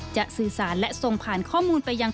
สื่อสารและส่งผ่านข้อมูลไปยัง